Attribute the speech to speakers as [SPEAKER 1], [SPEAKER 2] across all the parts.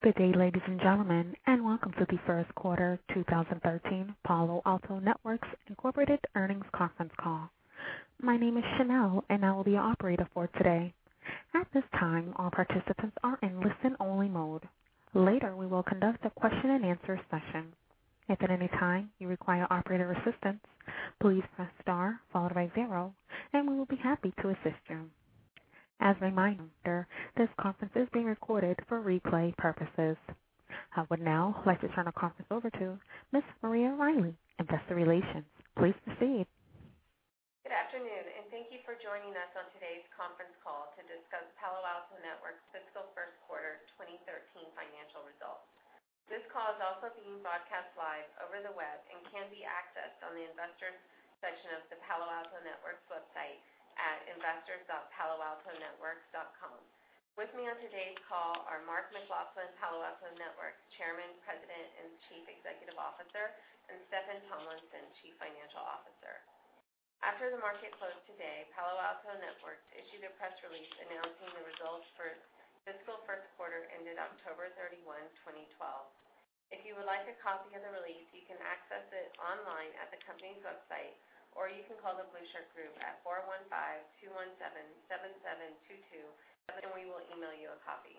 [SPEAKER 1] Good day, ladies and gentlemen, and welcome to the first quarter 2013 Palo Alto Networks, Inc. earnings conference call. My name is Chanel, and I will be your operator for today. At this time, all participants are in listen only mode. Later, we will conduct a question and answer session. If at any time you require operator assistance, please press star followed by zero, and we will be happy to assist you. As a reminder, this conference is being recorded for replay purposes. I would now like to turn the conference over to Miss Maria Riley, Investor Relations. Please proceed.
[SPEAKER 2] Good afternoon, and thank you for joining us on today's conference call to discuss Palo Alto Networks' fiscal first quarter 2013 financial results. This call is also being broadcast live over the web and can be accessed on the investors section of the Palo Alto Networks website at investors.paloaltonetworks.com. With me on today's call are Mark McLaughlin, Palo Alto Networks Chairman, President, and Chief Executive Officer, and Steffan Tomlinson, Chief Financial Officer. After the market closed today, Palo Alto Networks issued a press release announcing the results for its fiscal first quarter ended October 31, 2012. If you would like a copy of the release, you can access it online at the company's website, or you can call The Blueshirt Group at 415-217-7722, and we will email you a copy.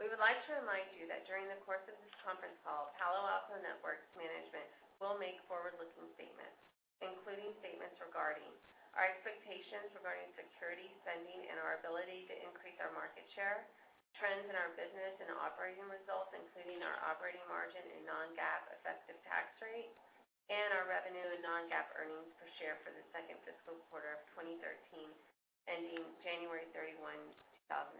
[SPEAKER 2] We would like to remind you that during the course of this conference call, Palo Alto Networks management will make forward-looking statements, including statements regarding our expectations regarding security spending and our ability to increase our market share, trends in our business and operating results, including our operating margin and non-GAAP effective tax rate, and our revenue and non-GAAP earnings per share for the second fiscal quarter of 2013, ending January 31, 2012.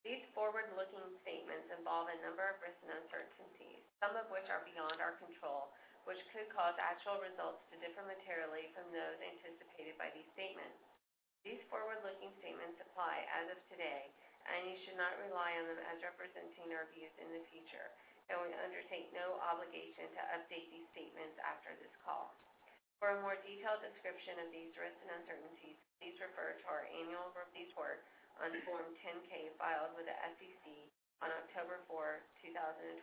[SPEAKER 2] These forward-looking statements involve a number of risks and uncertainties, some of which are beyond our control, which could cause actual results to differ materially from those anticipated by these statements. These forward-looking statements apply as of today, and you should not rely on them as representing our views in the future, and we undertake no obligation to update these statements after this call. For a more detailed description of these risks and uncertainties, please refer to our annual report on Form 10-K filed with the SEC on October 4, 2012,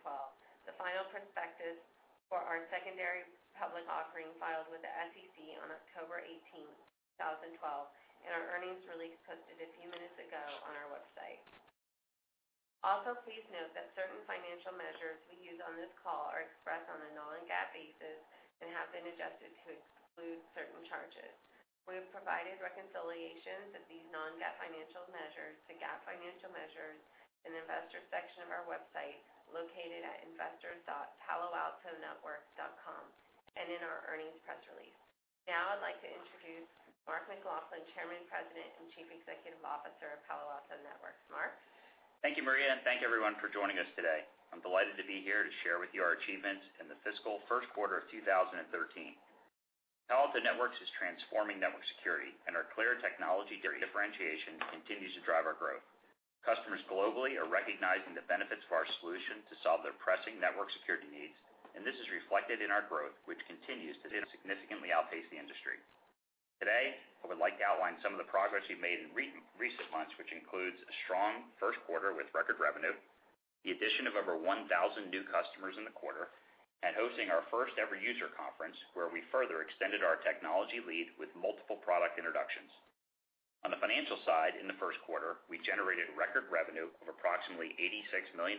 [SPEAKER 2] the final prospectus for our secondary public offering filed with the SEC on October 18, 2012, and our earnings release posted a few minutes ago on our website. Also, please note that certain financial measures we use on this call are expressed on a non-GAAP basis and have been adjusted to exclude certain charges. We have provided reconciliations of these non-GAAP financial measures to GAAP financial measures in the investor section of our website, located at investors.paloaltonetworks.com, and in our earnings press release. Now I'd like to introduce Mark McLaughlin, Chairman, President, and Chief Executive Officer of Palo Alto Networks. Mark?
[SPEAKER 3] Thank you, Maria, and thank you, everyone, for joining us today. I'm delighted to be here to share with you our achievements in the fiscal first quarter of 2013. Palo Alto Networks is transforming network security, and our clear technology differentiation continues to drive our growth. Customers globally are recognizing the benefits of our solution to solve their pressing network security needs, and this is reflected in our growth, which continues to significantly outpace the industry. Today, I would like to outline some of the progress we've made in recent months, which includes a strong first quarter with record revenue, the addition of over 1,000 new customers in the quarter, and hosting our first ever user conference, where we further extended our technology lead with multiple product introductions. On the financial side, in the first quarter, we generated record revenue of approximately $86 million,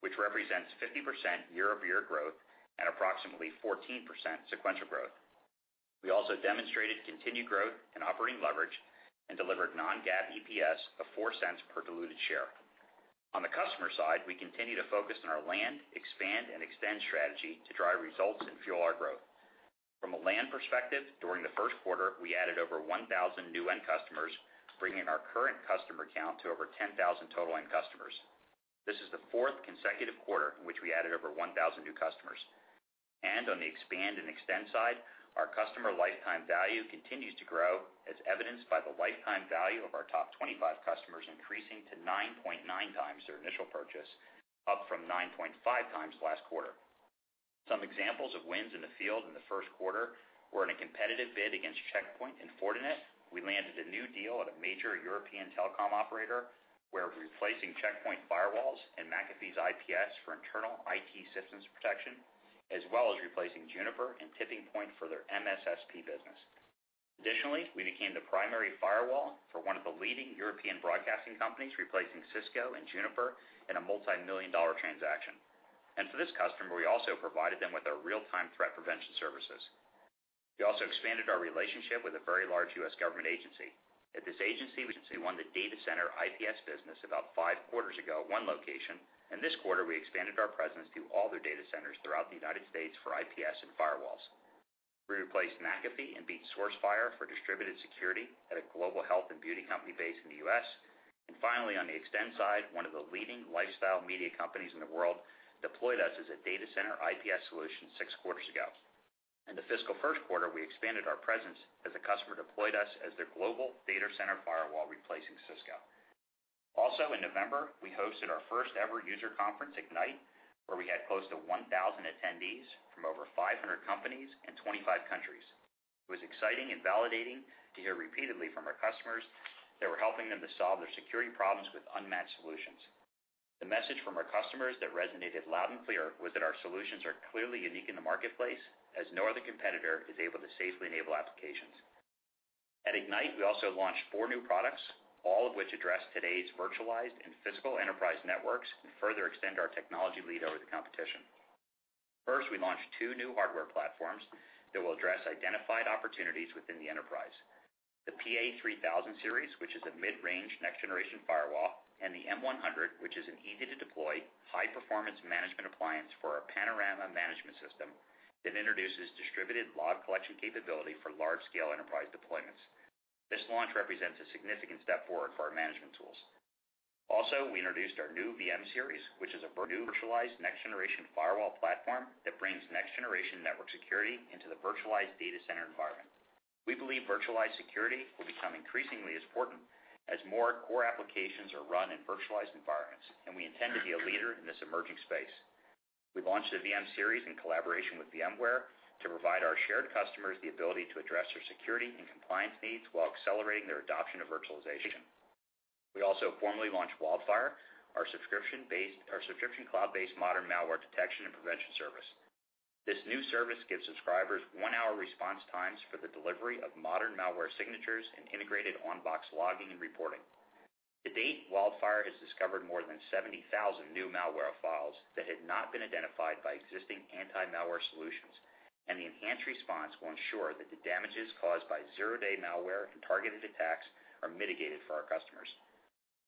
[SPEAKER 3] which represents 50% year-over-year growth and approximately 14% sequential growth. We also demonstrated continued growth in operating leverage and delivered non-GAAP EPS of $0.04 per diluted share. On the customer side, we continue to focus on our land, expand, and extend strategy to drive results and fuel our growth. From a land perspective, during the first quarter, we added over 1,000 new end customers, bringing our current customer count to over 10,000 total end customers. This is the fourth consecutive quarter in which we added over 1,000 new customers. On the expand and extend side, our customer lifetime value continues to grow, as evidenced by the lifetime value of our top 25 customers increasing to 9.9 times their initial purchase, up from 9.5 times last quarter. Some examples of wins in the field in the first quarter were in a competitive bid against Check Point and Fortinet. We landed a new deal at a major European telecom operator. We're replacing Check Point firewalls and McAfee's IPS for internal IT systems protection, as well as replacing Juniper and TippingPoint for their MSSP business. Additionally, we became the primary firewall for one of the leading European broadcasting companies, replacing Cisco and Juniper in a multi-million dollar transaction. For this customer, we also provided them with our real-time threat prevention services. We also expanded our relationship with a very large U.S. government agency. At this agency, we won the data center IPS business about five quarters ago at one location, and this quarter we expanded our presence to all their data centers throughout the United States for IPS and firewalls. We replaced McAfee and beat Sourcefire for distributed security at a global health and beauty company based in the U.S. Finally, on the extend side, one of the leading lifestyle media companies in the world deployed us as a data center IPS solution six quarters ago. In the fiscal first quarter, we expanded our presence as a customer deployed us as their global data center firewall, replacing Cisco. Also in November, we hosted our first ever user conference, Ignite, where we had close to 1,000 attendees from over 500 companies and 25 countries. It was exciting and validating to hear repeatedly from our customers that we're helping them to solve their security problems with unmatched solutions. The message from our customers that resonated loud and clear was that our solutions are clearly unique in the marketplace, as no other competitor is able to safely enable applications. At Ignite, we also launched four new products, all of which address today's virtualized and physical enterprise networks and further extend our technology lead over the competition. First, we launched two new hardware platforms that will address identified opportunities within the enterprise. The PA-3000 Series, which is a mid-range next-generation firewall, and the M-100, which is an easy-to-deploy, high-performance management appliance for our Panorama management system that introduces distributed log collection capability for large-scale enterprise deployments. This launch represents a significant step forward for our management tools. We introduced our new VM-Series, which is a new virtualized next-generation firewall platform that brings next-generation network security into the virtualized data center environment. We believe virtualized security will become increasingly important as more core applications are run in virtualized environments, and we intend to be a leader in this emerging space. We launched the VM-Series in collaboration with VMware to provide our shared customers the ability to address their security and compliance needs while accelerating their adoption of virtualization. We also formally launched WildFire, our subscription cloud-based modern malware detection and prevention service. This new service gives subscribers one-hour response times for the delivery of modern malware signatures and integrated on-box logging and reporting. To date, WildFire has discovered more than 70,000 new malware files that had not been identified by existing anti-malware solutions, and the enhanced response will ensure that the damages caused by zero-day malware and targeted attacks are mitigated for our customers.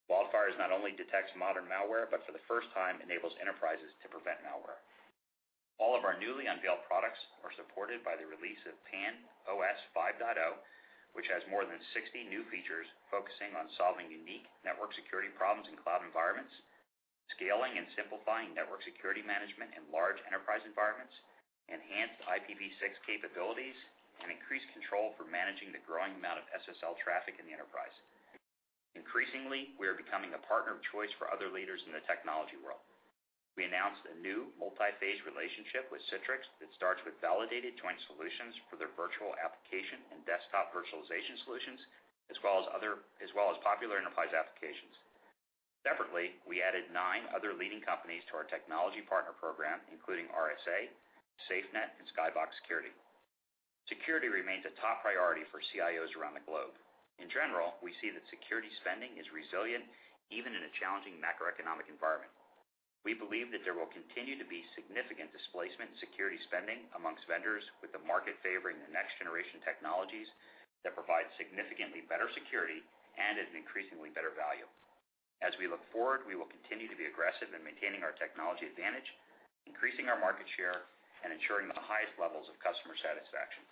[SPEAKER 3] WildFire not only detects modern malware but, for the first time, enables enterprises to prevent malware. All of our newly unveiled products are supported by the release of PAN-OS 5.0, which has more than 60 new features focusing on solving unique network security problems in cloud environments, scaling and simplifying network security management in large enterprise environments, enhanced IPv6 capabilities, and increased control for managing the growing amount of SSL traffic in the enterprise. Increasingly, we are becoming a partner of choice for other leaders in the technology world. We announced a new multi-phase relationship with Citrix that starts with validated joint solutions for their virtual application and desktop virtualization solutions, as well as popular enterprise applications. Separately, we added nine other leading companies to our technology partner program, including RSA, SafeNet, and Skybox Security. Security remains a top priority for CIOs around the globe. In general, we see that security spending is resilient even in a challenging macroeconomic environment. We believe that there will continue to be significant displacement in security spending amongst vendors, with the market favoring the next-generation technologies that provide significantly better security and at an increasingly better value. As we look forward, we will continue to be aggressive in maintaining our technology advantage, increasing our market share, and ensuring the highest levels of customer satisfaction.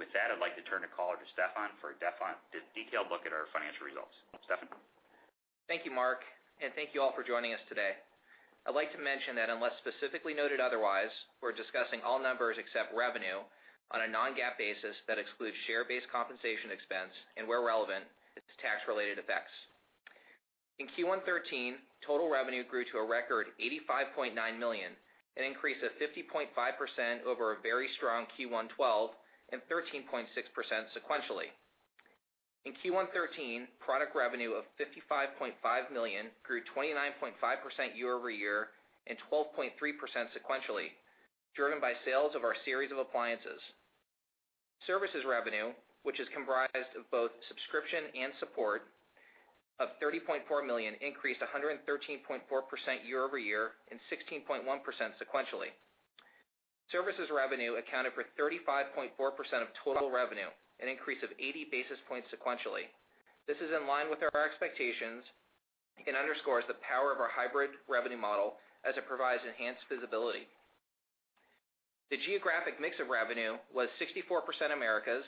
[SPEAKER 3] With that, I'd like to turn the call over to Steffan for a detailed look at our financial results. Steffan?
[SPEAKER 4] Thank you, Mark, and thank you all for joining us today. I'd like to mention that unless specifically noted otherwise, we're discussing all numbers except revenue on a non-GAAP basis that excludes share-based compensation expense and, where relevant, its tax-related effects. In Q113, total revenue grew to a record $85.9 million, an increase of 50.5% over a very strong Q112 and 13.6% sequentially. In Q113, product revenue of $55.5 million grew 29.5% year-over-year and 12.3% sequentially, driven by sales of our series of appliances. Services revenue, which is comprised of both subscription and support of $30.4 million, increased 113.4% year-over-year and 16.1% sequentially. Services revenue accounted for 35.4% of total revenue, an increase of 80 basis points sequentially. This is in line with our expectations and underscores the power of our hybrid revenue model as it provides enhanced visibility. The geographic mix of revenue was 64% Americas,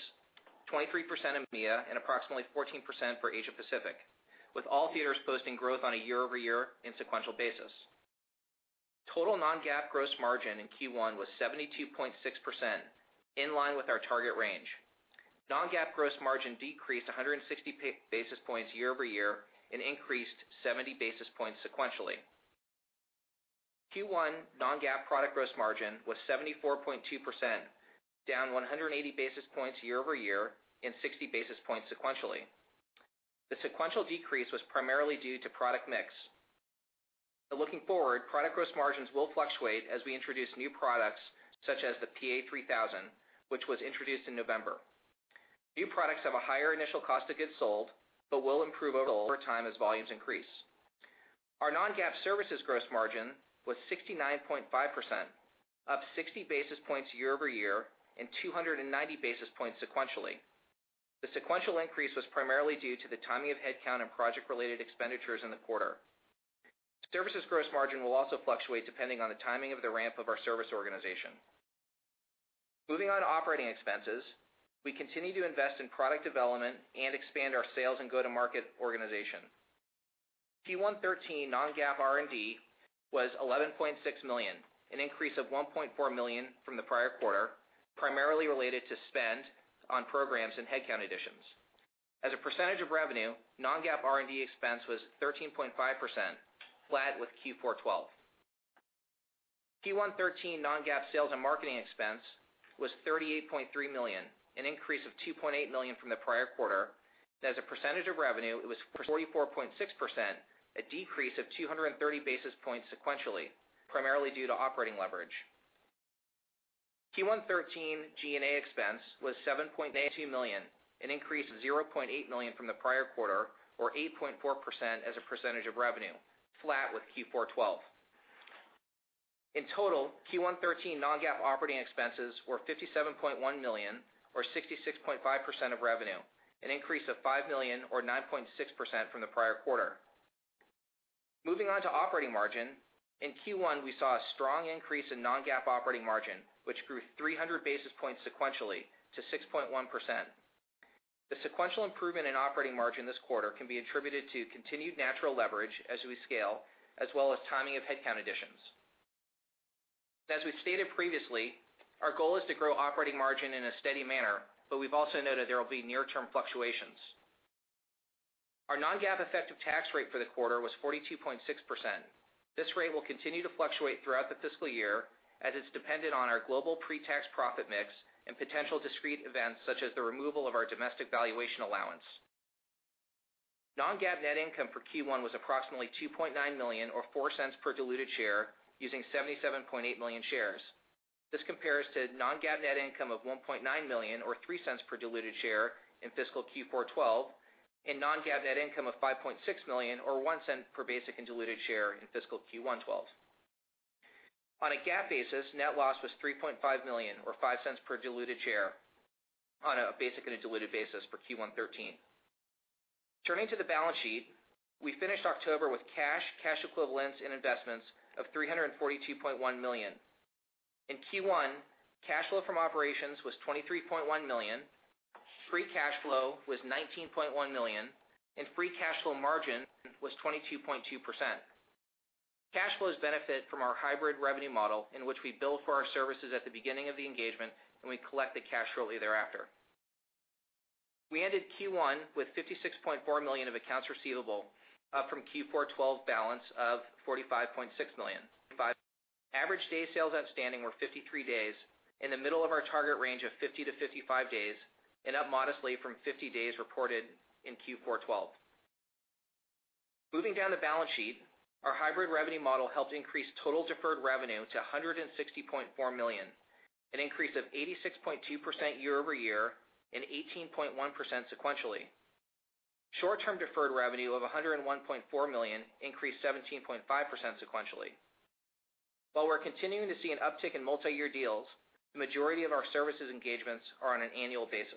[SPEAKER 4] 23% EMEA, and approximately 14% for Asia Pacific, with all theaters posting growth on a year-over-year and sequential basis. Total non-GAAP gross margin in Q1 was 72.6%, in line with our target range. Non-GAAP gross margin decreased 160 basis points year-over-year and increased 70 basis points sequentially. Q1 non-GAAP product gross margin was 74.2%, down 180 basis points year-over-year and 60 basis points sequentially. The sequential decrease was primarily due to product mix. Looking forward, product gross margins will fluctuate as we introduce new products such as the PA-3000, which was introduced in November. New products have a higher initial cost of goods sold but will improve over time as volumes increase. Our non-GAAP services gross margin was 69.5%, up 60 basis points year-over-year and 290 basis points sequentially. The sequential increase was primarily due to the timing of headcount and project-related expenditures in the quarter. Services gross margin will also fluctuate depending on the timing of the ramp of our service organization. Moving on to operating expenses, we continue to invest in product development and expand our sales and go-to-market organization. Q113 non-GAAP R&D was $11.6 million, an increase of $1.4 million from the prior quarter, primarily related to spend on programs and headcount additions. As a percentage of revenue, non-GAAP R&D expense was 13.5%, flat with Q412. Q113 non-GAAP sales and marketing expense was $38.3 million, an increase of $2.8 million from the prior quarter. As a percentage of revenue, it was 44.6%, a decrease of 230 basis points sequentially, primarily due to operating leverage. Q113 G&A expense was $7.2 million, an increase of $0.8 million from the prior quarter, or 8.4% as a percentage of revenue, flat with Q412. In total, Q113 non-GAAP operating expenses were $57.1 million or 66.5% of revenue, an increase of $5 million or 9.6% from the prior quarter. Moving on to operating margin. In Q1, we saw a strong increase in non-GAAP operating margin, which grew 300 basis points sequentially to 6.1%. The sequential improvement in operating margin this quarter can be attributed to continued natural leverage as we scale, as well as timing of headcount additions. As we've stated previously, our goal is to grow operating margin in a steady manner, but we've also noted there will be near-term fluctuations. Our non-GAAP effective tax rate for the quarter was 42.6%. This rate will continue to fluctuate throughout the fiscal year, as it's dependent on our global pre-tax profit mix and potential discrete events such as the removal of our domestic valuation allowance. non-GAAP net income for Q1 was approximately $2.9 million or $0.04 per diluted share using 77.8 million shares. This compares to non-GAAP net income of $1.9 million or $0.03 per diluted share in fiscal Q4 2012 and non-GAAP net income of $5.6 million or $0.01 per basic and diluted share in fiscal Q1 2012. On a GAAP basis, net loss was $3.5 million or $0.05 per diluted share on a basic and a diluted basis for Q1 2013. Turning to the balance sheet, we finished October with cash equivalents, and investments of $342.1 million. In Q1, cash flow from operations was $23.1 million, free cash flow was $19.1 million, and free cash flow margin was 22.2%. Cash flows benefit from our hybrid revenue model in which we bill for our services at the beginning of the engagement, and we collect the cash flow thereafter. We ended Q1 with $56.4 million of accounts receivable, up from Q4 2012 balance of $45.6 million. Average day sales outstanding were 53 days, in the middle of our target range of 50-55 days, and up modestly from 50 days reported in Q4 2012. Moving down the balance sheet, our hybrid revenue model helped increase total deferred revenue to $160.4 million, an increase of 86.2% year-over-year and 18.1% sequentially. Short-term deferred revenue of $101.4 million increased 17.5% sequentially. While we're continuing to see an uptick in multi-year deals, the majority of our services engagements are on an annual basis.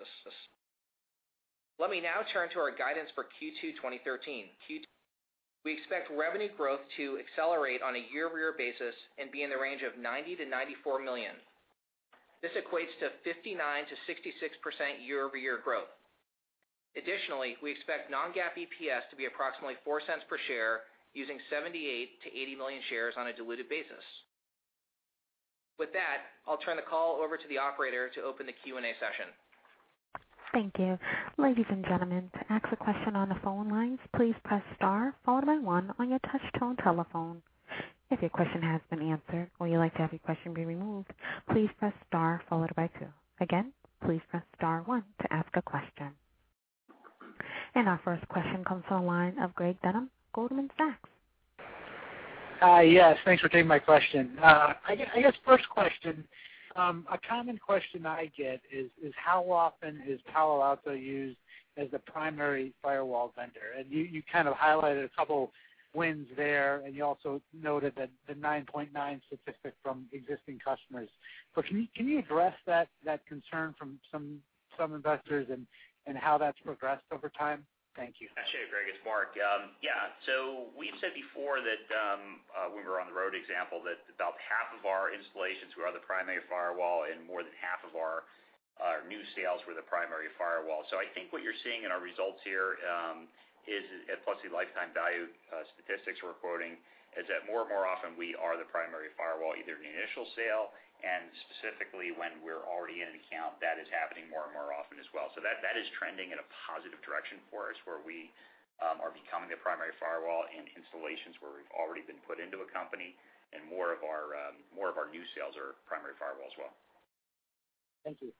[SPEAKER 4] Let me now turn to our guidance for Q2 2013. We expect revenue growth to accelerate on a year-over-year basis and be in the range of $90 million-$94 million. This equates to 59%-66% year-over-year growth. Additionally, we expect non-GAAP EPS to be approximately $0.04 per share, using 78 million-80 million shares on a diluted basis. With that, I'll turn the call over to the operator to open the Q&A session.
[SPEAKER 1] Thank you. Ladies and gentlemen, to ask a question on the phone lines, please press star followed by one on your touch tone telephone. If your question has been answered or you'd like to have your question be removed, please press star followed by two. Again, please press star one to ask a question. Our first question comes from the line of Gregg Moskowitz, Goldman Sachs.
[SPEAKER 5] Hi, yes. Thanks for taking my question. I guess first question, a common question I get is how often is Palo Alto used as the primary firewall vendor? You kind of highlighted a couple wins there, and you also noted the 9.9 statistic from existing customers. Can you address that concern from some investors and how that's progressed over time? Thank you.
[SPEAKER 3] Sure, Gregg, it's Mark. Yeah. We've said before that, when we were on the road example, about half of our installations were the primary firewall and more than half of our new sales were the primary firewall. I think what you're seeing in our results here, plus the lifetime value statistics we're quoting, is that more and more often we are the primary firewall, either in the initial sale and specifically when we're already in an account, that is happening more and more often as well. That is trending in a positive direction for us, where we are becoming the primary firewall in installations where we've already been put into a company, and more of our new sales are primary firewall as well.
[SPEAKER 5] Thank you.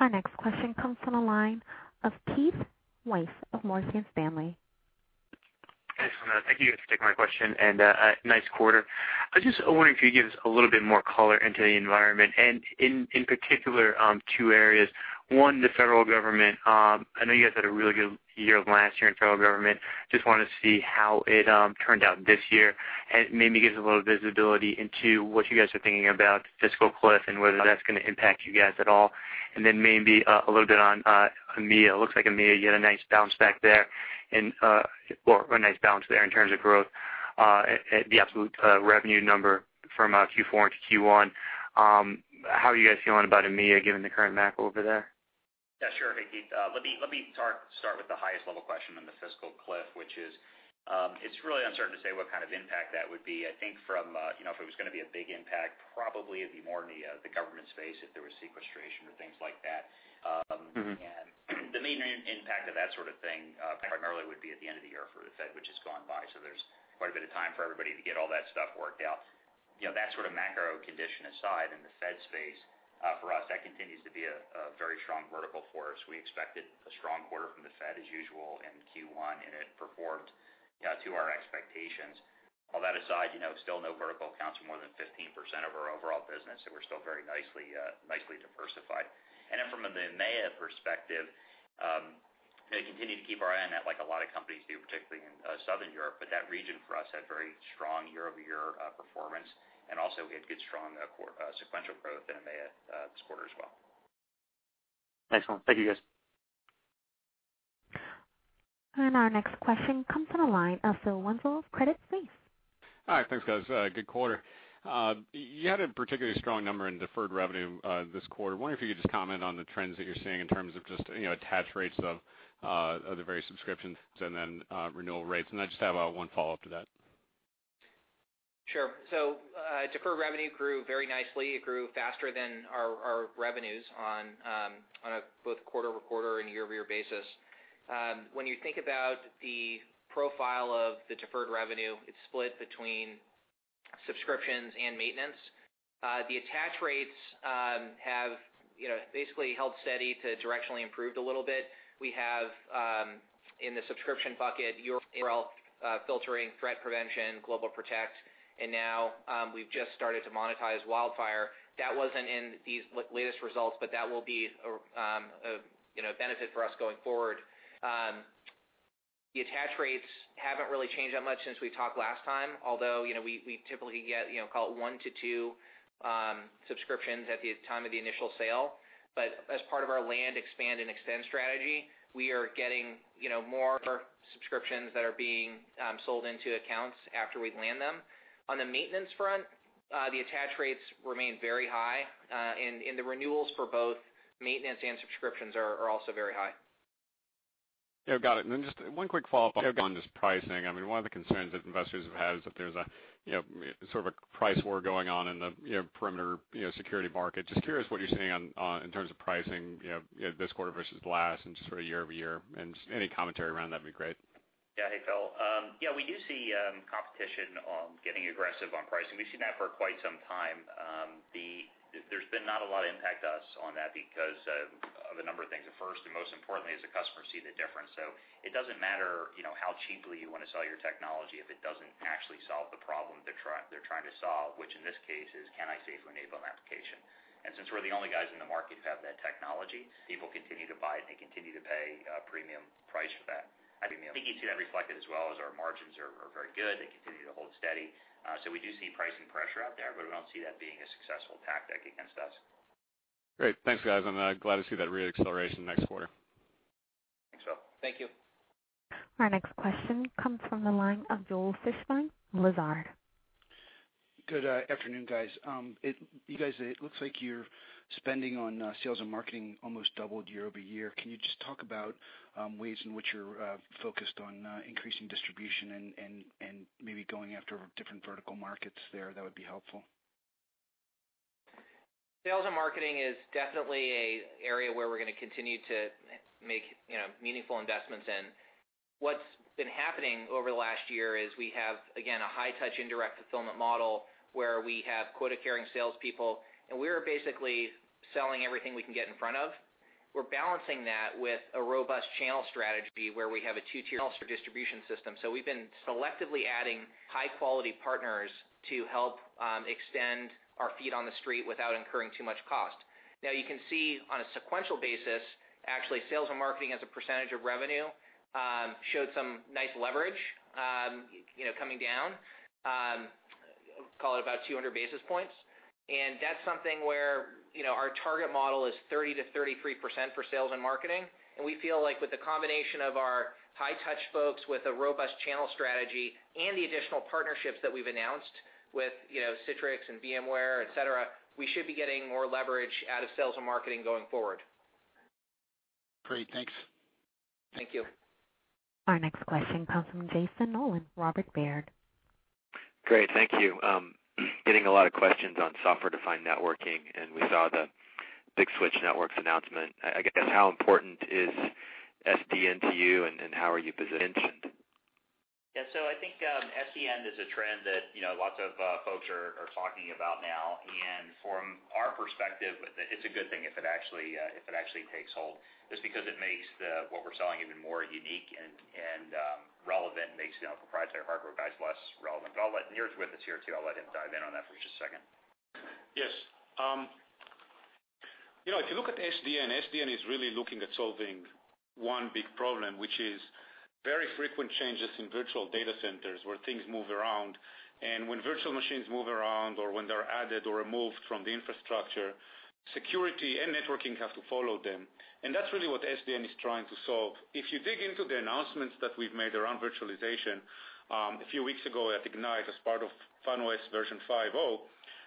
[SPEAKER 1] Our next question comes from the line of Keith Weiss of Morgan Stanley.
[SPEAKER 6] Thanks. Thank you guys for taking my question, and nice quarter. I was just wondering if you could give us a little bit more color into the environment and in particular two areas. One, the federal government. I know you guys had a really good year last year in federal government. Just wanted to see how it turned out this year and maybe give us a little visibility into what you guys are thinking about fiscal cliff and whether that's going to impact you guys at all. Maybe a little bit on EMEA. It looks like EMEA, you had a nice bounce back there, or a nice bounce there in terms of growth, the absolute revenue number from Q4 into Q1. How are you guys feeling about EMEA given the current macro over there?
[SPEAKER 3] Yeah, sure. Hey, Keith. Let me start with the highest level question on the fiscal cliff, which is it's really uncertain to say what kind of impact that would be. If it was going to be a big impact, probably it would be more in the government space if there was sequestration or things like that. The main impact of that sort of thing, primarily would be at the end of the year for the Fed, which has gone by. There's quite a bit of time for everybody to get all that stuff worked out. That sort of macro condition aside in the Fed space, for us, that continues to be a very strong vertical for us. We expected a strong quarter from the Fed as usual in Q1, and it performed to our expectations. All that aside, still no vertical accounts for more than 15% of our overall business, so we're still very nicely diversified. From a EMEA perspective, we continue to keep our eye on that, like a lot of companies do, particularly in Southern Europe, but that region for us had very strong year-over-year performance. Also we had good, strong sequential growth in EMEA this quarter as well.
[SPEAKER 6] Excellent. Thank you, guys.
[SPEAKER 1] Our next question comes from the line of Philip Winslow of Credit Suisse.
[SPEAKER 7] Hi. Thanks, guys. Good quarter. You had a particularly strong number in deferred revenue this quarter. I wonder if you could just comment on the trends that you're seeing in terms of just attach rates of the various subscriptions and then renewal rates. I just have one follow-up to that.
[SPEAKER 4] Sure. Deferred revenue grew very nicely. It grew faster than our revenues on a both quarter-over-quarter and year-over-year basis. When you think about the profile of the deferred revenue, it's split between subscriptions and maintenance. The attach rates have basically held steady to directionally improved a little bit. We have, in the subscription bucket, URL filtering, threat prevention, GlobalProtect, and now we've just started to monetize WildFire. That wasn't in these latest results, but that will be a benefit for us going forward. The attach rates haven't really changed that much since we talked last time, although, we typically get one to two subscriptions at the time of the initial sale. As part of our land, expand, and extend strategy, we are getting more subscriptions that are being sold into accounts after we land them. On the maintenance front, the attach rates remain very high. The renewals for both maintenance and subscriptions are also very high.
[SPEAKER 7] Yeah. Got it. Just one quick follow-up on just pricing. One of the concerns that investors have had is that there's a sort of a price war going on in the perimeter security market. Just curious what you're seeing in terms of pricing this quarter versus last and just sort of year-over-year, and any commentary around that'd be great.
[SPEAKER 3] Yeah. Hey, Phil. Yeah, we do see competition getting aggressive on pricing. We've seen that for quite some time. There's been not a lot of impact to us on that because of a number of things. First and most importantly, is the customers see the difference. It doesn't matter how cheaply you want to sell your technology if it doesn't actually solve the problem they're trying to solve, which in this case is can I safely enable an application? Since we're the only guys in the market who have that technology, people continue to buy it, and they continue to pay a premium price for that. I think you see that reflected as well as our margins are very good. They continue to hold steady. We do see pricing pressure out there, but we don't see that being a successful tactic against us.
[SPEAKER 7] Great. Thanks, guys. I'm glad to see that re-acceleration next quarter.
[SPEAKER 3] Thanks, Phil.
[SPEAKER 4] Thank you.
[SPEAKER 1] Our next question comes from the line of Joel Fishbein, Lazard.
[SPEAKER 8] Good afternoon, guys. You guys, it looks like your spending on sales and marketing almost doubled year-over-year. Can you just talk about ways in which you're focused on increasing distribution and maybe going after different vertical markets there? That would be helpful.
[SPEAKER 4] Sales and marketing is definitely an area where we're gonna continue to make meaningful investments in. What's been happening over the last year is we have, again, a high touch indirect fulfillment model where we have quota-carrying salespeople, and we are basically selling everything we can get in front of. We're balancing that with a robust channel strategy where we have a two-tier distribution system. We've been selectively adding high-quality partners to help extend our feet on the street without incurring too much cost. You can see on a sequential basis, actually, sales and marketing as a percentage of revenue showed some nice leverage coming down, call it about 200 basis points. That's something where our target model is 30%-33% for sales and marketing. We feel like with the combination of our high-touch folks with a robust channel strategy and the additional partnerships that we've announced with Citrix and VMware, et cetera, we should be getting more leverage out of sales and marketing going forward.
[SPEAKER 8] Great. Thanks.
[SPEAKER 4] Thank you.
[SPEAKER 1] Our next question comes from Jayson Noland, Robert W. Baird.
[SPEAKER 9] Great. Thank you. Getting a lot of questions on software-defined networking, we saw the Big Switch Networks announcement. I guess how important is SDN to you, and how are you positioned?
[SPEAKER 3] Yeah. I think SDN is a trend that lots of folks are talking about now. From our perspective, it's a good thing if it actually takes hold, just because it makes what we're selling even more unique and relevant, makes the proprietary hardware guys less relevant. Nir's with us here, too. I'll let him dive in on that for just a second.
[SPEAKER 10] Yes. If you look at SDN is really looking at solving one big problem, which is very frequent changes in virtual data centers where things move around. When virtual machines move around or when they're added or removed from the infrastructure, security and networking have to follow them. That's really what SDN is trying to solve. If you dig into the announcements that we've made around virtualization, a few weeks ago at Ignite as part of PAN-OS 5.0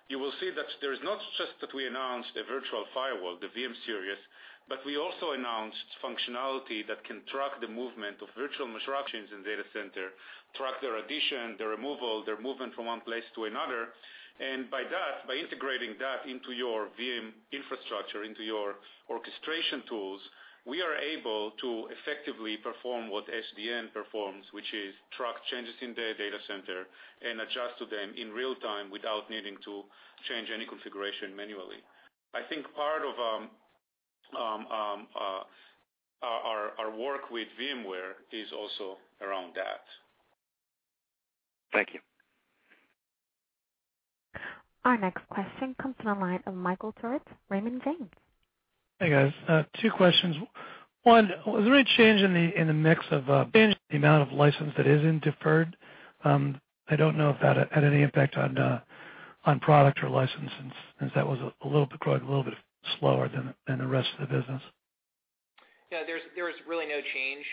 [SPEAKER 10] You will see that there is not just that we announced a virtual firewall, the VM-Series, but we also announced functionality that can track the movement of virtual machines in data center, track their addition, their removal, their movement from one place to another. By integrating that into your VM infrastructure, into your orchestration tools, we are able to effectively perform what SDN performs, which is track changes in the data center and adjust to them in real time without needing to change any configuration manually. I think part of our work with VMware is also around that.
[SPEAKER 9] Thank you.
[SPEAKER 1] Our next question comes from the line of Michael Turits, Raymond James.
[SPEAKER 11] Hey, guys. Two questions. One, was there any change in the mix of the amount of license that is in deferred? I don't know if that had any impact on product or license since that was growing a little bit slower than the rest of the business.
[SPEAKER 4] Yeah, there was really no change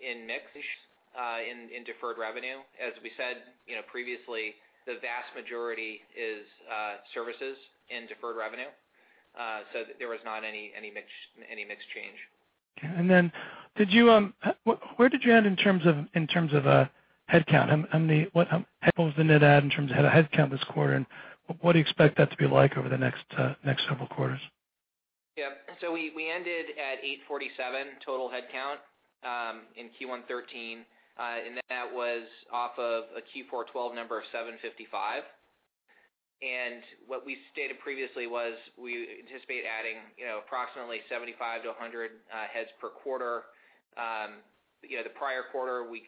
[SPEAKER 4] in mix in deferred revenue. As we said previously, the vast majority is services in deferred revenue. There was not any mix change.
[SPEAKER 11] Okay. Where did you add in terms of headcount? What was the net add in terms of headcount this quarter, what do you expect that to be like over the next several quarters?
[SPEAKER 4] Yeah. We ended at 847 total headcount in Q113, that was off of a Q412 number of 755. What we stated previously was we anticipate adding approximately 75-100 heads per quarter. The prior quarter, we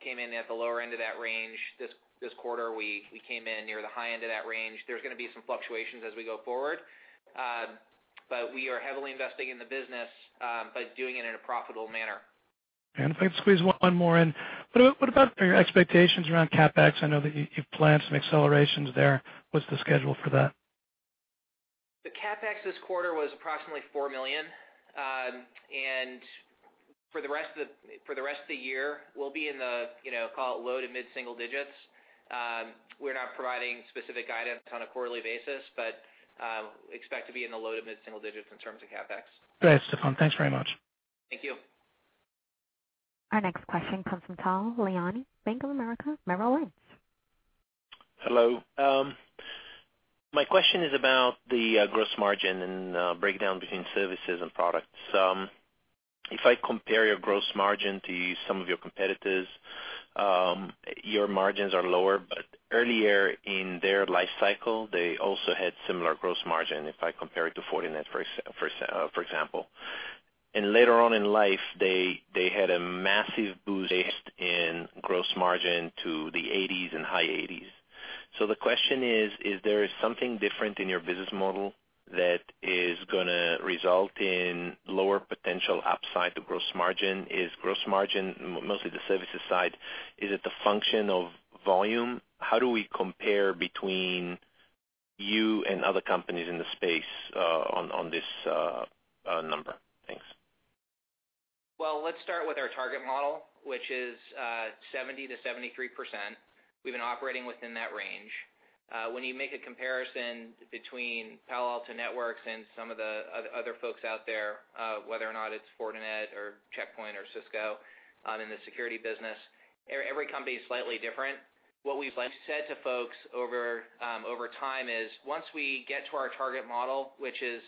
[SPEAKER 4] came in at the lower end of that range. This quarter, we came in near the high end of that range. There's going to be some fluctuations as we go forward. We are heavily investing in the business by doing it in a profitable manner.
[SPEAKER 11] If I can squeeze one more in, what about your expectations around CapEx? I know that you've planned some accelerations there. What's the schedule for that?
[SPEAKER 4] The CapEx this quarter was approximately $4 million. For the rest of the year, we'll be in the, call it low to mid-single digits. We're not providing specific guidance on a quarterly basis, but expect to be in the low to mid-single digits in terms of CapEx.
[SPEAKER 11] Go ahead, Steffan. Thanks very much.
[SPEAKER 4] Thank you.
[SPEAKER 1] Our next question comes from Tal Liani, Bank of America Merrill Lynch.
[SPEAKER 12] Hello. My question is about the gross margin and breakdown between services and products. If I compare your gross margin to some of your competitors, your margins are lower, but earlier in their life cycle, they also had similar gross margin, if I compare it to Fortinet, for example. Later on in life, they had a massive boost based in gross margin to the 80% and high 80%. The question is there something different in your business model that is going to result in lower potential upside to gross margin? Is gross margin, mostly the services side, is it a function of volume? How do we compare between you and other companies in the space on this number? Thanks.
[SPEAKER 4] Well, let's start with our target model, which is 70% to 73%. We've been operating within that range. When you make a comparison between Palo Alto Networks and some of the other folks out there, whether or not it's Fortinet or Check Point or Cisco in the security business, every company is slightly different. What we've said to folks over time is once we get to our target model, which is,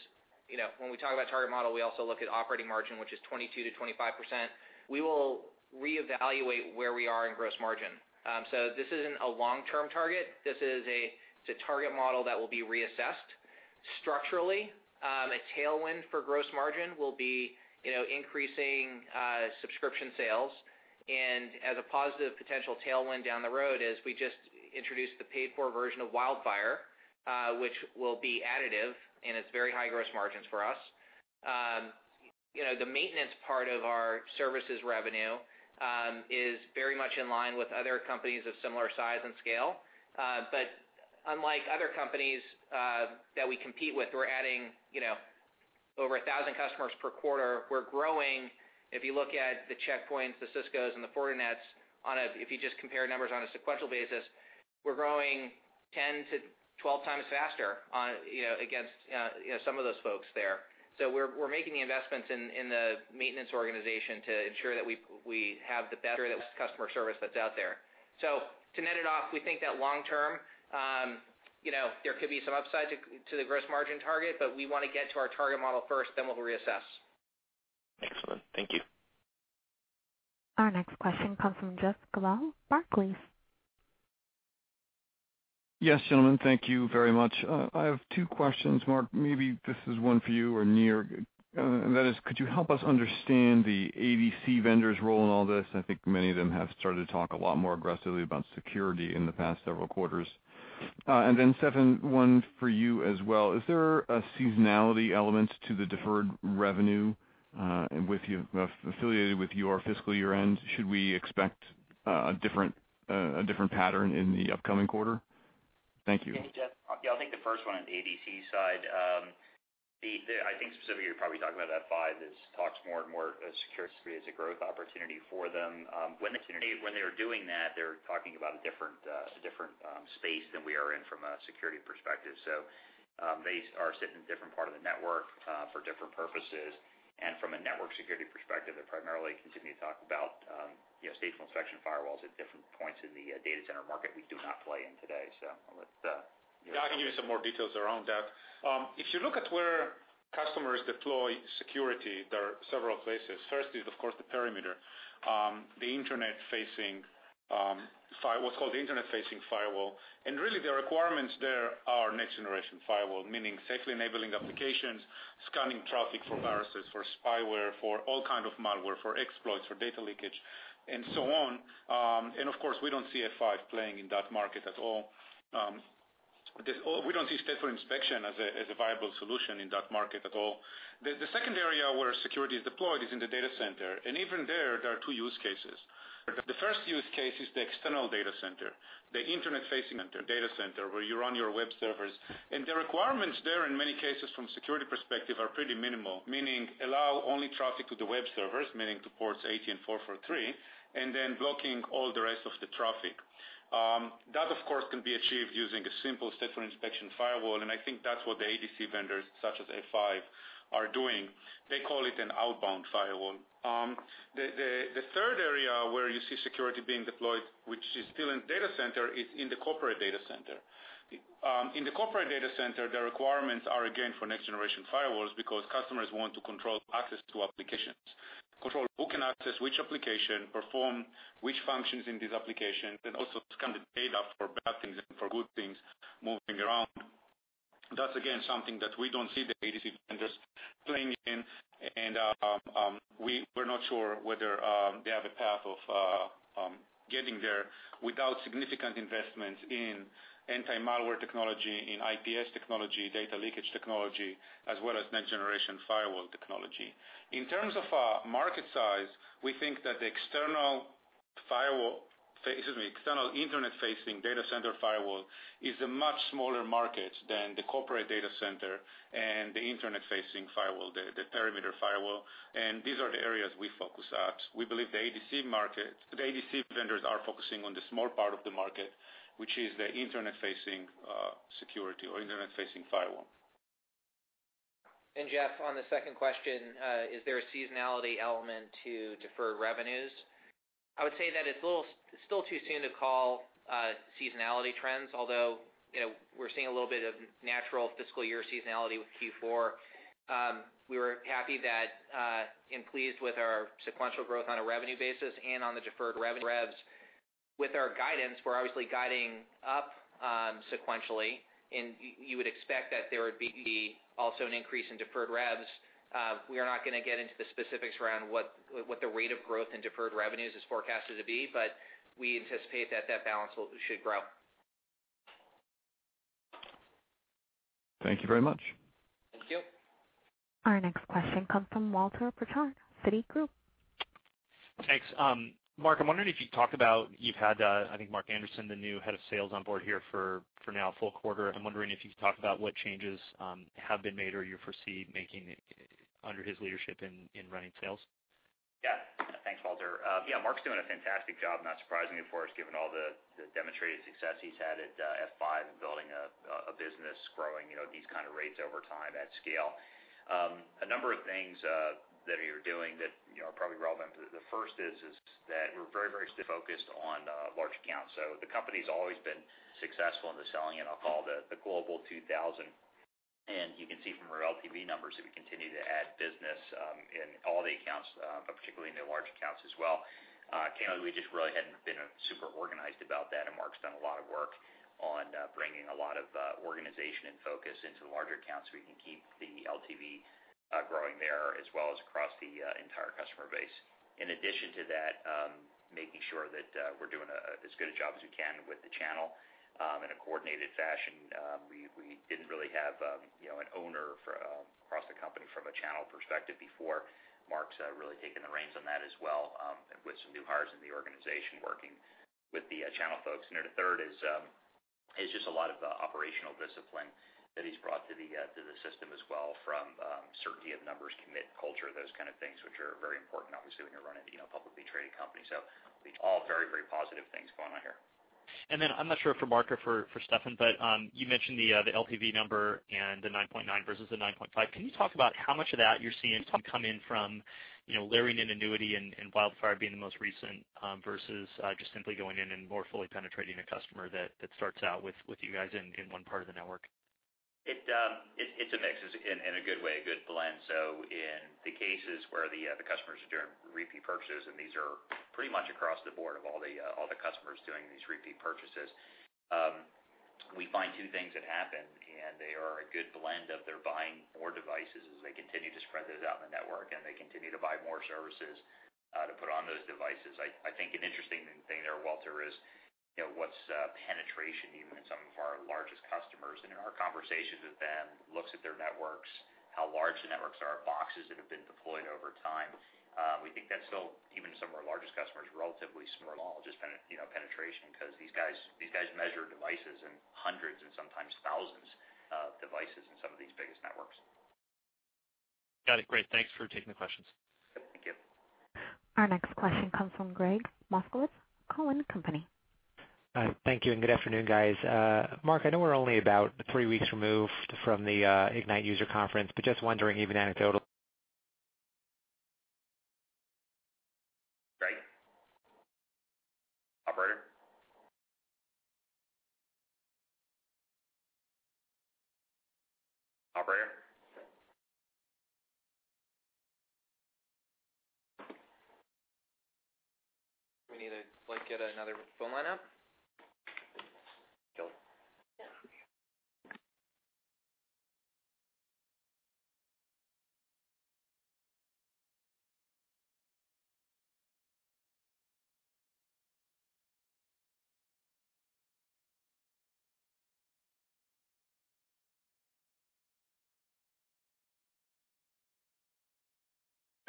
[SPEAKER 4] when we talk about target model, we also look at operating margin, which is 22% to 25%, we will reevaluate where we are in gross margin. This isn't a long-term target. This is a target model that will be reassessed. Structurally, a tailwind for gross margin will be increasing subscription sales, and as a positive potential tailwind down the road is we just introduced the paid-for version of WildFire, which will be additive, and it's very high gross margins for us. The maintenance part of our services revenue is very much in line with other companies of similar size and scale. Unlike other companies that we compete with, we're adding over 1,000 customers per quarter. We're growing. If you look at the Check Points, the Ciscos, and the Fortinets, if you just compare numbers on a sequential basis, we're growing 10 to 12 times faster against some of those folks there. We're making the investments in the maintenance organization to ensure that we have the better customer service that's out there. To net it off, we think that long term, there could be some upside to the gross margin target, but we want to get to our target model first, then we'll reassess.
[SPEAKER 12] Excellent. Thank you.
[SPEAKER 1] Our next question comes from Jeff Kvaal, Barclays.
[SPEAKER 13] Yes, gentlemen, thank you very much. I have two questions. Mark, maybe this is one for you or Nir, and that is, could you help us understand the ADC vendor's role in all this? I think many of them have started to talk a lot more aggressively about security in the past several quarters. Steffan, one for you as well. Is there a seasonality element to the deferred revenue affiliated with your fiscal year-end? Should we expect a different pattern in the upcoming quarter? Thank you.
[SPEAKER 3] Yeah, Jeff. I think the first one on the ADC side I think specifically you're probably talking about F5 as talks more and more security as a growth opportunity for them. When they're doing that, they're talking about a different space than we are in from a security perspective. They are sitting in a different part of the network, for different purposes, and from a network security perspective, they're primarily continuing to talk about stateful inspection firewalls at different points in the data center market we do not play in today. I'll let you-
[SPEAKER 10] Yeah, I can give you some more details around that. If you look at where customers deploy security, there are several places. First is, of course, the perimeter. What's called the Internet-facing firewall. Really, the requirements there are next-generation firewall, meaning safely enabling applications, scanning traffic for viruses, for spyware, for all kind of malware, for exploits, for data leakage, and so on. Of course, we don't see F5 playing in that market at all. We don't see stateful inspection as a viable solution in that market at all. The second area where security is deployed is in the data center. Even there are two use cases. The first use case is the external data center, the Internet-facing data center, where you run your web servers. The requirements there, in many cases, from security perspective are pretty minimal, meaning allow only traffic to the web servers, meaning to ports 80 and 443, and then blocking all the rest of the traffic. That, of course, can be achieved using a simple stateful inspection firewall, and I think that's what the ADC vendors such as F5 are doing. They call it an outbound firewall. The third area where you see security being deployed, which is still in data center, is in the corporate data center. In the corporate data center, the requirements are, again, for next-generation firewalls because customers want to control access to applications, control who can access which application, perform which functions in these applications, and also scan the data for bad things and for good things moving around. That's again, something that we don't see the ADC vendors playing in, and we're not sure whether they have a path of getting there without significant investments in anti-malware technology, in IPS technology, data leakage technology, as well as next-generation firewall technology. In terms of market size, we think that the external Internet-facing data center firewall is a much smaller market than the corporate data center and the Internet-facing firewall, the perimeter firewall, and these are the areas we focus at. We believe the ADC vendors are focusing on the small part of the market, which is the Internet-facing security or Internet-facing firewall.
[SPEAKER 4] Jeff, on the second question, is there a seasonality element to deferred revenues? I would say that it's still too soon to call seasonality trends, although we're seeing a little bit of natural fiscal year seasonality with Q4. We were happy and pleased with our sequential growth on a revenue basis and on the deferred revs. With our guidance, we're obviously guiding up sequentially, and you would expect that there would be also an increase in deferred revs. We are not going to get into the specifics around what the rate of growth in deferred revenues is forecasted to be, but we anticipate that that balance should grow.
[SPEAKER 13] Thank you very much.
[SPEAKER 3] Thank you.
[SPEAKER 1] Our next question comes from Walter Pritchard, Citigroup.
[SPEAKER 14] Thanks. Mark, I'm wondering if you talk about Mark Anderson, the new head of sales on board here for now a full quarter. I'm wondering if you could talk about what changes have been made or you foresee making under his leadership in running sales.
[SPEAKER 3] Thanks, Walter. Mark's doing a fantastic job, not surprising me for us given all the demonstrated success he's had at F5 in building a business, growing these kind of rates over time at scale. A number of things that we're doing that are probably relevant. The first is that we're very focused on large accounts. The company's always been successful in the selling in, I'll call, the Global 2,000. You can see from our LTV numbers that we continue to add business in all the accounts, but particularly in the large accounts as well. Candidly, we just really hadn't been super organized about that. Mark's done a lot of work on bringing a lot of organization and focus into the larger accounts so we can keep the LTV growing there, as well as across the entire customer base. In addition to that, making sure that we're doing as good a job as we can with the channel in a coordinated fashion. We didn't really have an owner across the company from a channel perspective before. Mark's really taken the reins on that as well, with some new hires in the organization working with the channel folks. The third is just a lot of the operational discipline that he's brought to the system as well from certainty of numbers, commit culture, those kind of things, which are very important, obviously, when you're running a publicly traded company. All very positive things going on here.
[SPEAKER 14] I'm not sure if for Mark or for Steffan, you mentioned the LTV number and the 9.9 versus the 9.5. Can you talk about how much of that you're seeing come in from layering in annuity and WildFire being the most recent, versus just simply going in and more fully penetrating a customer that starts out with you guys in one part of the network?
[SPEAKER 3] It's a mix in a good way, a good blend. In the cases where the customers are doing repeat purchases, these are pretty much across the board of all the customers doing these repeat purchases, we find two things that happen, they are a good blend of they're buying more devices as they continue to spread those out in the network, and they continue to buy more services to put on those devices. I think an interesting thing there, Walter, is what's penetration even in some of our largest customers. In our conversations with them, looks at their networks, Large networks are boxes that have been deployed over time. We think that still even some of our largest customers, relatively small, just penetration, because these guys measure devices in hundreds and sometimes thousands of devices in some of these biggest networks.
[SPEAKER 14] Got it. Great. Thanks for taking the questions.
[SPEAKER 3] Thank you.
[SPEAKER 1] Our next question comes from Gregg Moskowitz, Cowen Company.
[SPEAKER 15] Thank you, good afternoon, guys. Mark, I know we're only about three weeks removed from the Ignite user conference, just wondering even anecdotally.
[SPEAKER 3] Right. Operator? Operator?
[SPEAKER 4] We need to get another phone line up.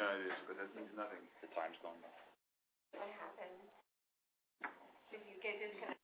[SPEAKER 4] Joe?
[SPEAKER 1] Yeah.
[SPEAKER 3] No, it means nothing.
[SPEAKER 4] The time's gone by.
[SPEAKER 1] What happened? Did you get in touch?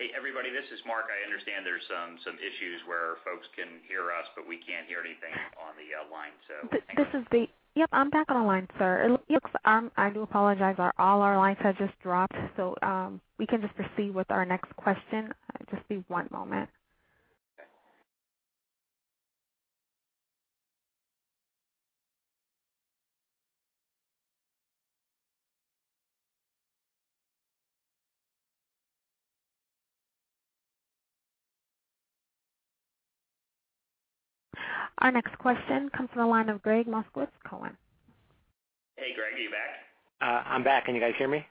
[SPEAKER 3] Hey everybody, this is Mark. I understand there's some issues where folks can hear us, but we can't hear anything on the line. Hang on.
[SPEAKER 1] Yep, I'm back on the line, sir. Yep, I do apologize. All our lines have just dropped, we can just proceed with our next question. Just be one moment.
[SPEAKER 3] Okay.
[SPEAKER 1] Our next question comes from the line of Gregg Moskowitz, Cowen.
[SPEAKER 3] Hey, Gregg, are you back?
[SPEAKER 15] I'm back. Can you guys hear me?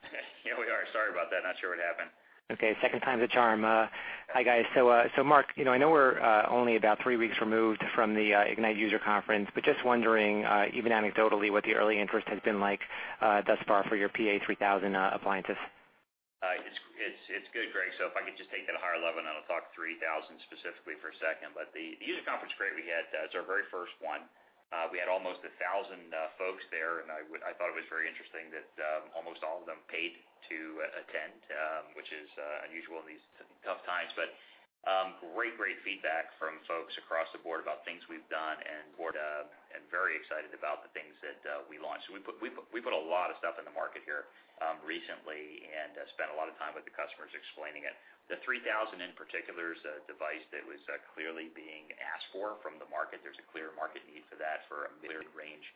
[SPEAKER 3] Yeah, we are. Sorry about that. Not sure what happened.
[SPEAKER 15] Second time's a charm. Hi guys, Mark, I know we're only about three weeks removed from the Ignite user conference, just wondering, even anecdotally, what the early interest has been like thus far for your PA-3000 appliances.
[SPEAKER 3] It's good, Gregg. If I could just take it a higher level, I'll talk 3000 specifically for a second, the user conference, great. It's our very first one. We had almost 1,000 folks there, I thought it was very interesting that almost all of them paid to attend, which is unusual in these tough times, great feedback from folks across the board about things we've done very excited about the things that we launched. We put a lot of stuff in the market here recently spent a lot of time with the customers explaining it. The 3000 in particular is a device that was clearly being asked for from the market. There's a clear market need for that for a mid-range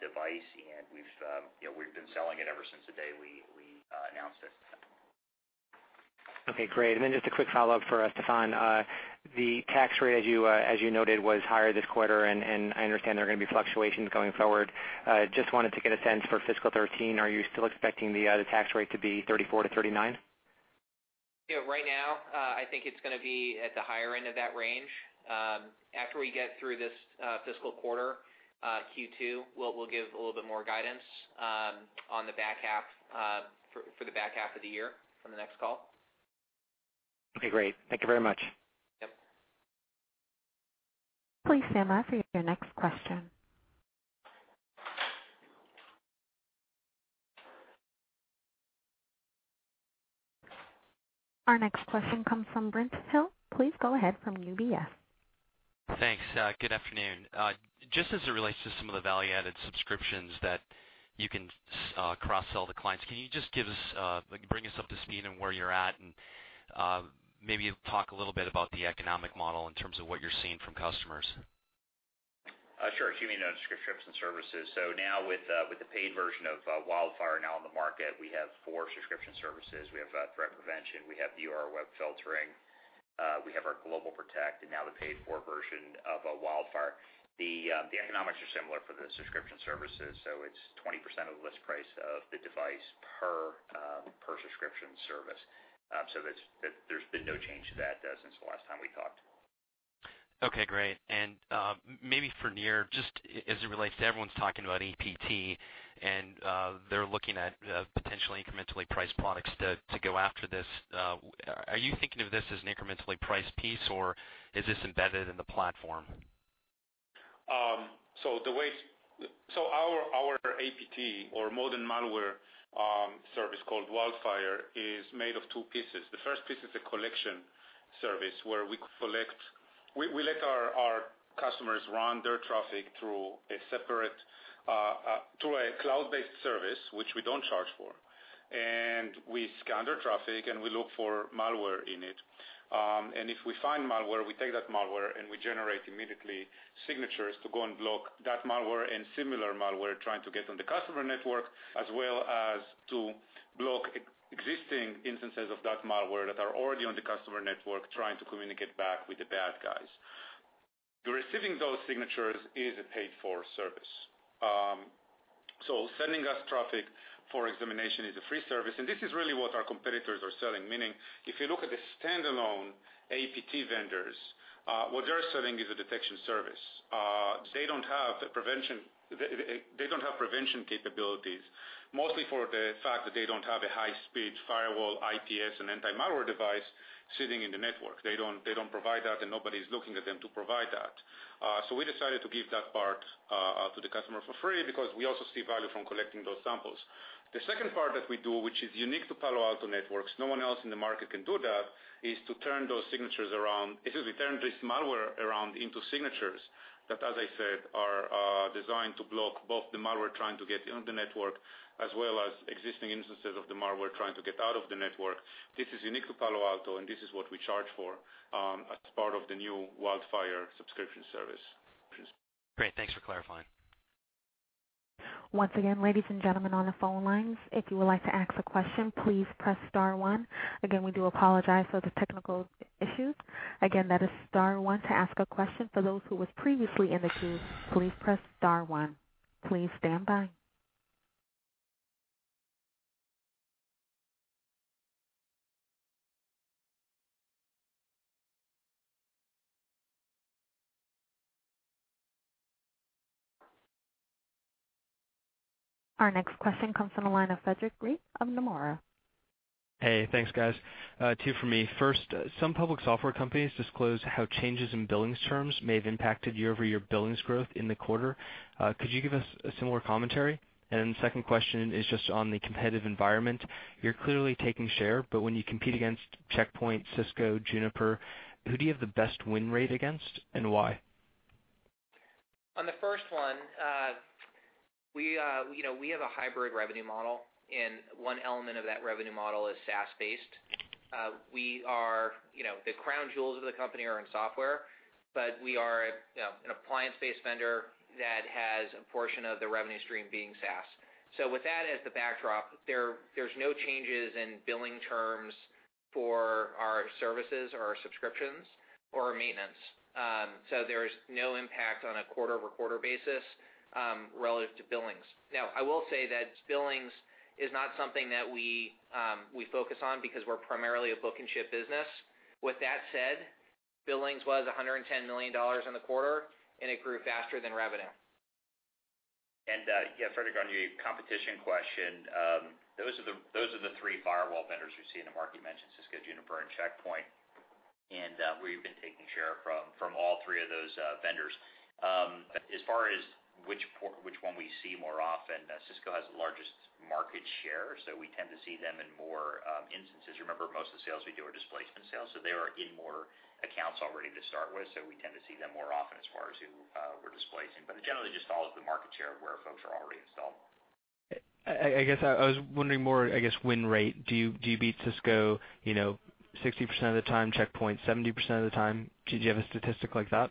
[SPEAKER 3] device, we've been selling it ever since the day we announced it.
[SPEAKER 15] Okay, great. Just a quick follow-up for Steffan. The tax rate, as you noted, was higher this quarter, I understand there are going to be fluctuations going forward. Just wanted to get a sense for fiscal 2013, are you still expecting the tax rate to be 34%-39%?
[SPEAKER 4] Right now, I think it's going to be at the higher end of that range. After we get through this fiscal quarter, Q2, we'll give a little bit more guidance for the back half of the year on the next call.
[SPEAKER 15] Okay, great. Thank you very much.
[SPEAKER 4] Yep.
[SPEAKER 1] Please stand by for your next question. Our next question comes from Brent Thill. Please go ahead from UBS.
[SPEAKER 16] Thanks. Good afternoon. Just as it relates to some of the value-added subscriptions that you can cross-sell to clients, can you just bring us up to speed on where you're at, and maybe talk a little bit about the economic model in terms of what you're seeing from customers?
[SPEAKER 3] Sure. You mean subscriptions and services. Now with the paid version of WildFire now on the market, we have four subscription services. We have threat prevention, we have URL web filtering, we have our GlobalProtect, and now the paid-for version of WildFire. The economics are similar for the subscription services, so it's 20% of the list price of the device per subscription service. No change to that since the last time we talked. Okay, great. Maybe for Nir, just as it relates to everyone's talking about APT and they're looking at potentially incrementally priced products to go after this, are you thinking of this as an incrementally priced piece, or is this embedded in the platform?
[SPEAKER 10] Our APT or modern malware service called WildFire is made of two pieces. The first piece is a collection service where we let our customers run their traffic through a cloud-based service, which we don't charge for. We scan their traffic, and we look for malware in it. If we find malware, we take that malware and we generate immediately signatures to go and block that malware and similar malware trying to get on the customer network, as well as to block existing instances of that malware that are already on the customer network trying to communicate back with the bad guys. Receiving those signatures is a paid-for service. Sending us traffic for examination is a free service, and this is really what our competitors are selling. Meaning, if you look at the standalone APT vendors, what they're selling is a detection service. They don't have prevention capabilities, mostly for the fact that they don't have a high-speed firewall, IPS, and anti-malware device sitting in the network. They don't provide that, and nobody's looking at them to provide that. We decided to give that part to the customer for free because we also see value from collecting those samples. The second part that we do, which is unique to Palo Alto Networks, no one else in the market can do that, is to turn this malware around into signatures that, as I said, are designed to block both the malware trying to get in the network, as well as existing instances of the malware trying to get out of the network. This is unique to Palo Alto, and this is what we charge for as part of the new WildFire subscription service.
[SPEAKER 3] Great. Thanks for clarifying.
[SPEAKER 1] Once again, ladies and gentlemen on the phone lines, if you would like to ask a question, please press star one. Again, we do apologize for the technical issues. Again, that is star one to ask a question. For those who were previously in the queue, please press star one. Please stand by. Our next question comes from the line of Frederick Grieb of Nomura.
[SPEAKER 17] Hey, thanks guys. Two from me. First, some public software companies disclose how changes in billings terms may have impacted year-over-year billings growth in the quarter. Could you give us a similar commentary? Second question is just on the competitive environment. You're clearly taking share, but when you compete against Check Point, Cisco, Juniper, who do you have the best win rate against, and why?
[SPEAKER 3] On the first one, we have a hybrid revenue model. One element of that revenue model is SaaS-based. The crown jewels of the company are in software. We are an appliance-based vendor that has a portion of the revenue stream being SaaS. With that as the backdrop, there's no changes in billing terms for our services or our subscriptions or our maintenance. There's no impact on a quarter-over-quarter basis relative to billings. Now, I will say that billings is not something that we focus on because we're primarily a book and ship business. With that said, billings was $110 million in the quarter. It grew faster than revenue. Yeah, Frederick, on your competition question, those are the three firewall vendors you see in the market. You mentioned Cisco, Juniper and Check Point. We've been taking share from all three of those vendors. As far as which one we see more often, Cisco has the largest market share. We tend to see them in more instances. Remember, most of the sales we do are displacement sales. They are in more accounts already to start with. We tend to see them more often as far as who we're displacing. It generally just follows the market share of where folks are already installed.
[SPEAKER 17] I guess I was wondering more, I guess, win rate. Do you beat Cisco 60% of the time, Check Point 70% of the time? Do you have a statistic like that?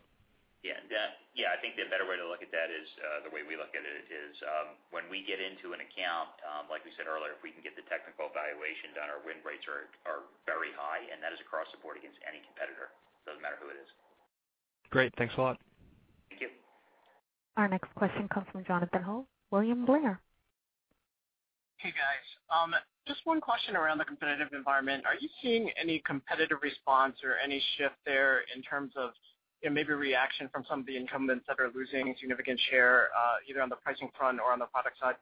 [SPEAKER 3] Yeah, I think the better way to look at that is the way we look at it is when we get into an account, like we said earlier, if we can get the technical evaluation done, our win rates are very high, and that is across the board against any competitor. Doesn't matter who it is.
[SPEAKER 17] Great. Thanks a lot.
[SPEAKER 3] Thank you.
[SPEAKER 1] Our next question comes from Jonathan Ho, William Blair.
[SPEAKER 18] Hey, guys. Just one question around the competitive environment. Are you seeing any competitive response or any shift there in terms of maybe reaction from some of the incumbents that are losing significant share, either on the pricing front or on the product side?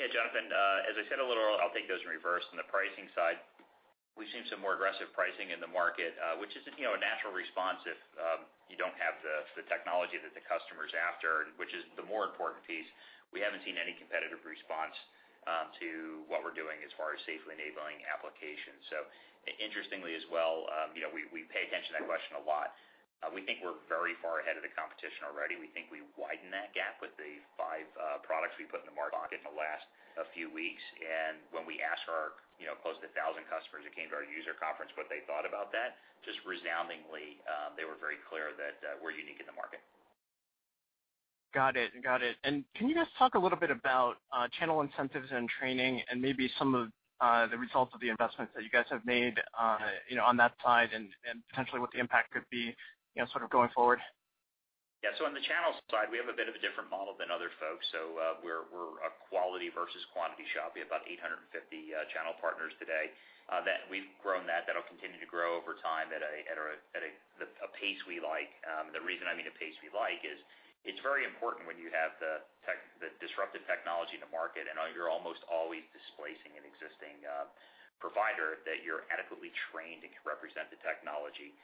[SPEAKER 3] Yeah, Jonathan, as I said a little earlier, I'll take those in reverse. On the pricing side, we've seen some more aggressive pricing in the market, which is a natural response if you don't have the technology that the customer's after, which is the more important piece. We haven't seen any competitive response to what we're doing as far as safely enabling applications. Interestingly as well, we pay attention to that question a lot. We think we're very far ahead of the competition already. We think we widen that gap with the five products we put in the market in the last few weeks. When we asked our close to 1,000 customers who came to our user conference what they thought about that, just resoundingly, they were very clear that we're unique in the market.
[SPEAKER 18] Got it. Can you guys talk a little bit about channel incentives and training and maybe some of the results of the investments that you guys have made on that side and potentially what the impact could be sort of going forward?
[SPEAKER 3] Yeah. On the channels side, we have a bit of a different model than other folks. We're a quality versus quantity shop. We have about 850 channel partners today. We've grown that'll continue to grow over time at a pace we like. The reason I mean a pace we like is it's very important when you have the disruptive technology in the market, and you're almost always displacing an existing provider, that you're adequately trained and can represent the technology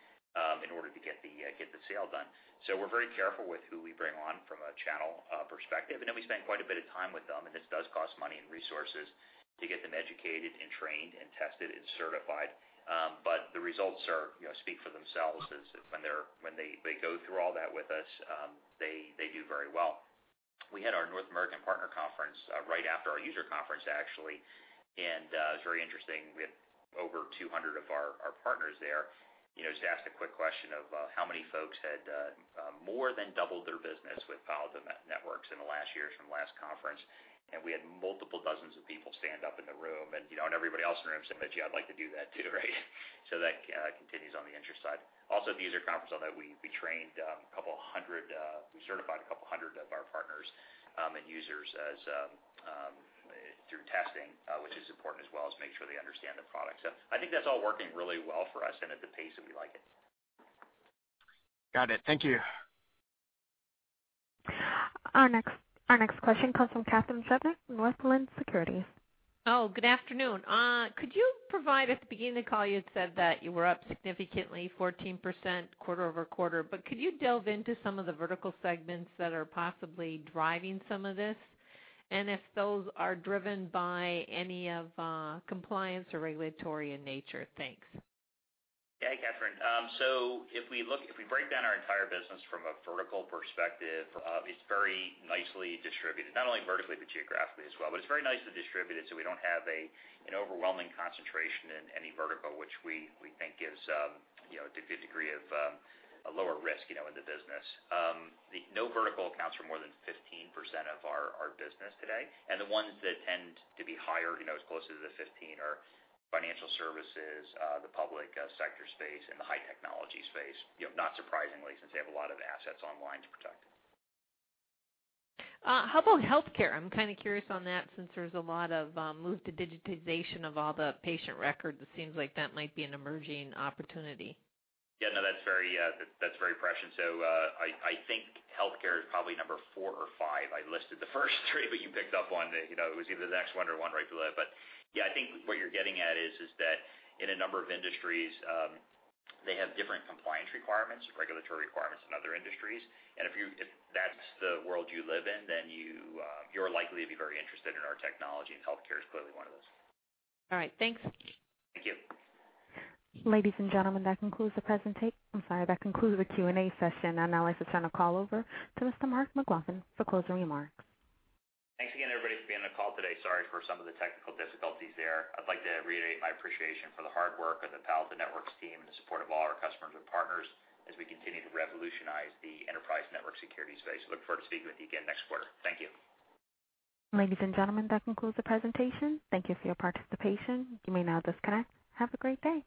[SPEAKER 3] in order to get the sale done. We're very careful with who we bring on from a channel perspective, and then we spend quite a bit of time with them, and this does cost money and resources to get them educated and trained and tested and certified. The results speak for themselves as when they go through all that with us, they do very well. We had our North American partner conference right after our user conference, actually. It was very interesting. We had over 200 of our partners there. Just asked a quick question of how many folks had more than doubled their business with Palo Alto Networks in the last year from last conference. We had multiple dozens of people stand up in the room, and everybody else in the room said, "Yeah, I'd like to do that too," right? That continues on the interest side. Also, at the user conference, we trained a couple of 100, we certified a couple of 100 of our partners and users through testing, which is important as well, is make sure they understand the product. I think that's all working really well for us and at the pace that we like it.
[SPEAKER 18] Got it. Thank you.
[SPEAKER 1] Our next question comes from Katherine Schroeder from West Linn Securities.
[SPEAKER 19] Oh, good afternoon. Could you provide, at the beginning of the call, you had said that you were up significantly, 14% quarter-over-quarter. Could you delve into some of the vertical segments that are possibly driving some of this? If those are driven by any of compliance or regulatory in nature. Thanks.
[SPEAKER 3] Yeah. Katherine. If we break down our entire business from a vertical perspective, it's very nicely distributed, not only vertically but geographically as well. It's very nicely distributed, so we don't have an overwhelming concentration in any vertical, which we think gives a good degree of a lower risk in the business. No vertical accounts for more than 15% of our business today. The ones that tend to be higher, as close as the 15, are financial services, the public sector space, and the high technology space, not surprisingly, since they have a lot of assets online to protect.
[SPEAKER 19] How about healthcare? I'm kind of curious about that since there's a lot of move to digitization of all the patient records, it seems like that might be an emerging opportunity.
[SPEAKER 3] Yeah. No, that's very prescient. I think healthcare is probably number four or five. I listed the first three, but you picked up on that. It was either the next one or one right below. Yeah, I think what you're getting at is that in a number of industries, they have different compliance requirements and regulatory requirements than other industries. If that's the world you live in, then you're likely to be very interested in our technology, and healthcare is clearly one of those.
[SPEAKER 19] All right. Thanks.
[SPEAKER 3] Thank you.
[SPEAKER 1] Ladies and gentlemen, that concludes the Q&A session. I'd now like to turn the call over to Mr. Mark McLaughlin for closing remarks.
[SPEAKER 3] Thanks again, everybody, for being on the call today. Sorry for some of the technical difficulties there. I'd like to reiterate my appreciation for the hard work of the Palo Alto Networks team and the support of all our customers and partners as we continue to revolutionize the enterprise network security space. Look forward to speaking with you again next quarter. Thank you.
[SPEAKER 1] Ladies and gentlemen, that concludes the presentation. Thank you for your participation. You may now disconnect. Have a great day.